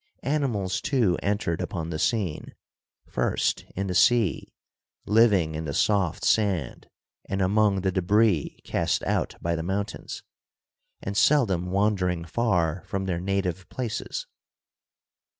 Animals too en tered upon the scene, first in the sea, living in the soft sand and among the debris cast out by the mountains, and seldom wandering far from their native places.